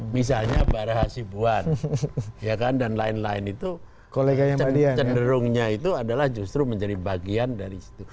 misalnya barah hasibuan dan lain lain itu cenderungnya itu adalah justru menjadi bagian dari situ